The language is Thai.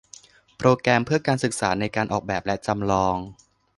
โปรแกรมเพื่อการศึกษาในการออกแบบและจำลอง